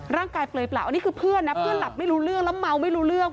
เปลือยเปล่าอันนี้คือเพื่อนนะเพื่อนหลับไม่รู้เรื่องแล้วเมาไม่รู้เรื่อง